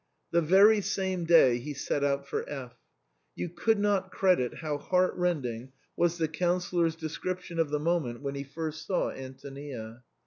The very same day he set out for F . You could not credit how heartrending was the Councillor's description of the moment when he first saw Antonia.